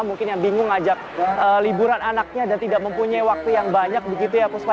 mungkin yang bingung ajak liburan anaknya dan tidak mempunyai waktu yang banyak begitu ya puspa